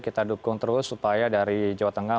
kita dukung terus supaya dari jawa tengah